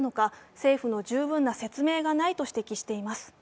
政府の十分な説明がないとしています。